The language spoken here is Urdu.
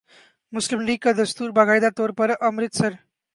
مسلم لیگ کا دستور باقاعدہ طور پر امرتسر